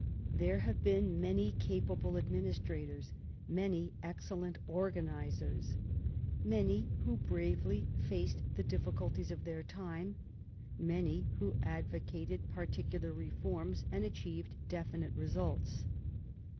There have been many capable administrators, many excellent organisers, many who bravely faced the difficulties of their time, many who advocated particular reforms and achieved definite results.